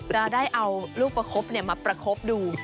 จะได้เอาลูกประคบมาประคบดู